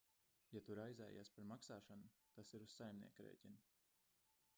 Ja tu raizējies par maksāšanu, tas ir uz saimnieka rēķina.